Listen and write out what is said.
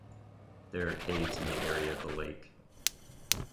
There are caves in the area of the lake.